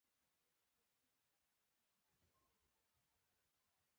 پرايمري سايکوپېت هغه خلک وي